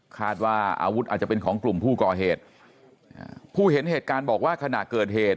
คาดว่าอาวุธอาจจะเป็นของกลุ่มผู้ก่อเหตุผู้เห็นเหตุการณ์บอกว่าขณะเกิดเหตุ